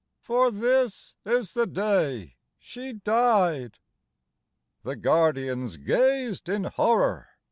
For this is the day she died." The guardians gazed in horror.